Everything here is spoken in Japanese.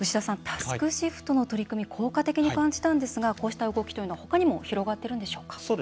タスクシフトの取り組み効果的に感じたんですがこうした動きというのはほかにも広がってるんでしょうか。